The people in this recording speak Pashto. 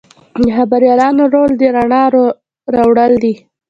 د خبریالانو رول د رڼا راوړل دي.